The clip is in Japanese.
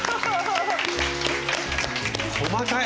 細かい！